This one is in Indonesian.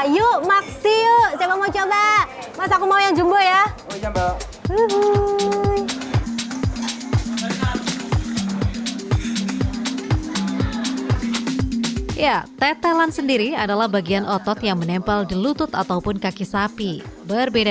ya tetelan sendiri adalah bagian otot yang menempel di lutut ataupun kaki sapi berbeda